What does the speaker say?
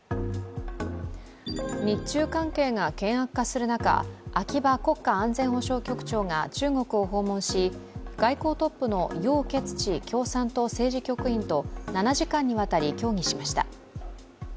日中関係が険悪化する中、秋葉国家安全保障局長が中国を訪問し外交トップの楊潔チ共産党政治局員と７時間にわたり協議しました。